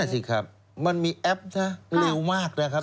สิครับมันมีแอปซะเร็วมากนะครับ